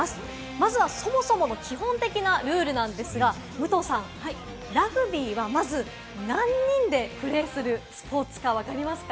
まずはそもそもの基本的なルールなんですが、武藤さん、ラグビーはまず何人でプレーするスポーツかわかりますか？